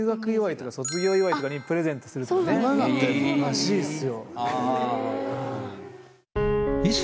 らしいっすよ。